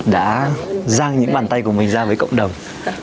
đã giang những bàn tay của mình ra với cộng đồng